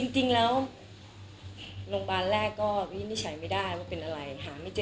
จริงแล้วโรงพยาบาลแรกก็วินิจฉัยไม่ได้ว่าเป็นอะไรหาไม่เจอ